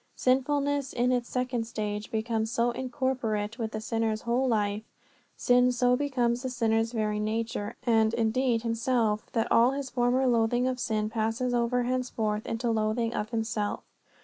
Sinfulness in its second stage becomes so incorporate with the sinner's whole life sin so becomes the sinner's very nature, and, indeed, himself, that all his former loathing of sin passes over henceforth into loathing of himself.